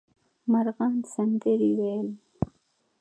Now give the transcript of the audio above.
مرغان سندرې ویل.